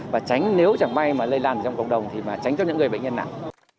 và tránh nếu chẳng may mà lây lan trong cộng đồng thì mà tránh cho những người bệnh nhân nặng